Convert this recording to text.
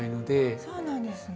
そうなんですね。